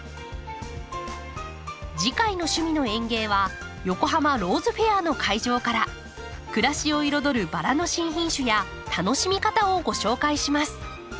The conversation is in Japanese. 次回の「趣味の園芸」は横浜ローズフェアの会場から暮らしを彩るバラの新品種や楽しみ方をご紹介します。